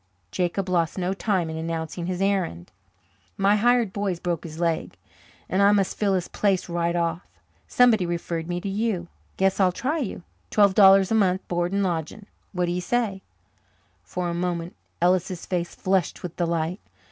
Jacob lost no time in announcing his errand. "My hired boy's broke his leg, and I must fill his place right off. Somebody referred me to you. Guess I'll try you. Twelve dollars a month, board, and lodging. What say?" For a moment Ellis's face flushed with delight.